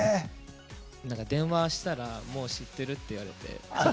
電話したらもう知ってるって言われて。